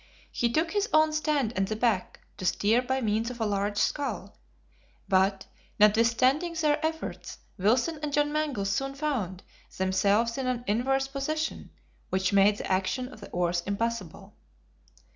He took his own stand at the back, to steer by means of a large scull; but, notwithstanding their efforts, Wilson and John Mangles soon found themselves in an inverse position, which made the action of the oars impossible.